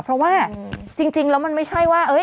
เพราะว่าจริงแล้วมันไม่ใช่ว่า